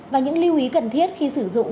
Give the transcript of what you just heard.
và những lưu ý cần thiết khi sử dụng